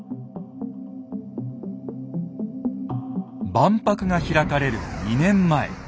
万博が開かれる２年前。